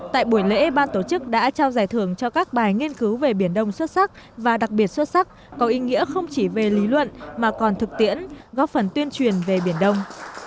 tại buổi lễ ban tổ chức đã trao giải thưởng cho các bài nghiên cứu về biển đông xuất sắc và đặc biệt xuất sắc có ý nghĩa không chỉ về lý luận mà còn thực tiễn góp phần tuyên truyền về biển đông